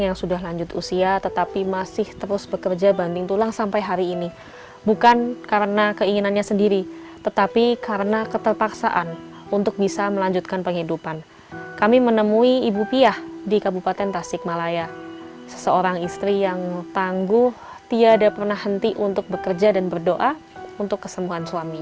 yang sudah lanjut usia tetapi masih terus bekerja banding tulang sampai hari ini bukan karena keinginannya sendiri tetapi karena keterpaksaan untuk bisa melanjutkan penghidupan kami menemui ibu piah di kabupaten tasikmalaya seseorang istri yang tangguh tiada pernah henti untuk bekerja dan berdoa untuk kesembuhan suaminya